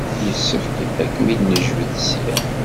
Yessefk ad kem-id-nejbed ssya.